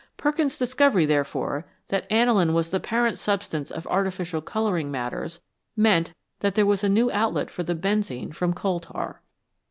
Perkin's discoveiy, therefore, that aniline was the parent substance of artificial colouring matters meant that there was a new outlet for the benzene from coal tar.